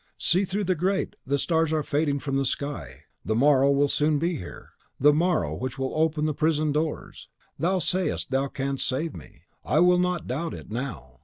See through the grate the stars are fading from the sky; the morrow will soon be here, The MORROW which will open the prison doors! Thou sayest thou canst save me, I will not doubt it now.